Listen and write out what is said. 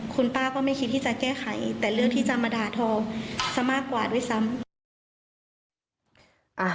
คุณป้าก็ไม่คิดที่จะแก้ไขแต่เรื่องที่จะมาด่าทอซะมากกว่าด้วยซ้ำ